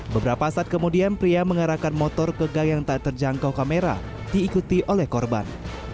beberapa saat kemudian pria mengarahkan motor ke gang yang tak terjangkau kamera diikuti oleh korban